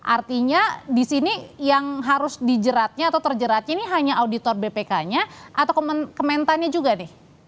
artinya di sini yang harus dijeratnya atau terjeratnya ini hanya auditor bpk nya atau kementannya juga nih